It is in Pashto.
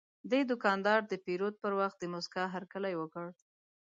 دا دوکاندار د پیرود پر وخت د موسکا هرکلی وکړ.